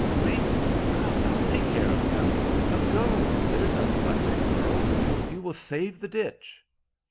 "Great Scott! I'll take care of him! But go, there's a blessed girl. You will save the ditch."